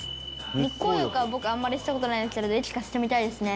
「日光浴は僕あんまりした事ないんですけどいつかしてみたいですね」